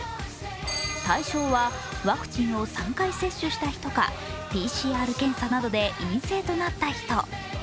対象はワクチンを３回接種した人かＰＣＲ検査などで陰性となった人。